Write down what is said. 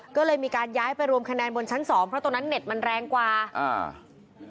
ก็เลยมีการย้ายไปรวมคะแนนบนชั้นสองเพราะตรงนั้นเน็ตมันแรงกว่าอ่า